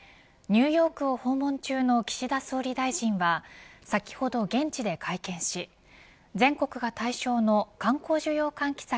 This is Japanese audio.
ニューヨークを訪問中の岸田総理大臣は先ほど現地で会見し全国が対象の観光需要喚起策